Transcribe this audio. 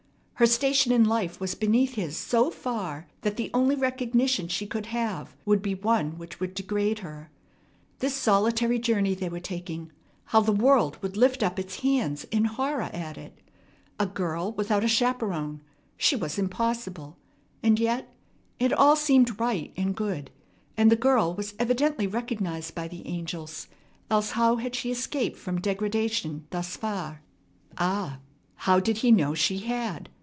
Her station in life was beneath his so far that the only recognition she could have would be one which would degrade her. This solitary journey they were taking, how the world would lift up its hands in horror at it! A girl without a chaperon! She was impossible! And yet it all seemed right and good, and the girl was evidently recognized by the angels; else how had she escaped from degradation thus far? Ah! How did he know she had?